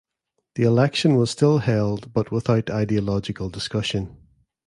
The election was still held but without ideological discussion.